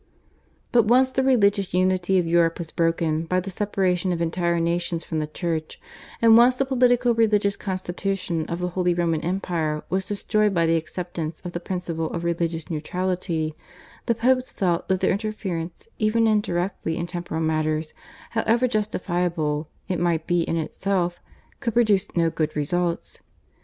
But once the religious unity of Europe was broken by the separation of entire nations from the Church, and once the politico religious constitution of the Holy Roman Empire was destroyed by the acceptance of the principle of religious neutrality, the Popes felt that their interference even indirectly in temporal matters, however justifiable it might be in itself, could produce no good results.